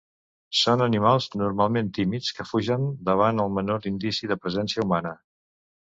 Són animals normalment tímids que fugen davant del menor indici de presència humana.